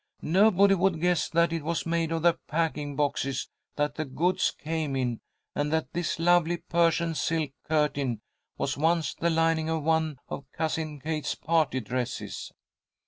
"Nobody would guess that it was made of the packing boxes that the goods came in, and that this lovely Persian silk curtain was once the lining of one of Cousin Kate's party dresses."